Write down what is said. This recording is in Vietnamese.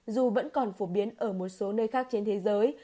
dù vẫn còn phổ biến ở một số nơi khác trên thế giới